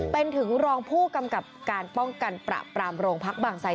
เป็นถึงรองผู้กำกับการป้องกันประปรามโรงพักบางไซ